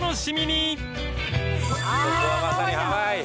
ここはまさにハワイ！